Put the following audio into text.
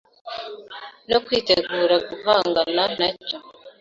no kwitegura guhangana na cyo